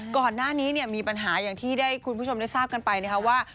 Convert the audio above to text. ก่อนหน้านี้มีปัญหาอย่างที่ได้คุณผู้ชมได้ทราบกันไปนะคะว่า